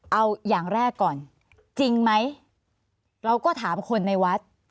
เอาอย่างแรกก่อนจริงไหมเราก็ถามคนในวัด